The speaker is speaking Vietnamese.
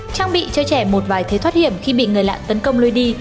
trang bị cho trẻ một vài thế thoát hiểm khi bị người lạ tấn công lơi đi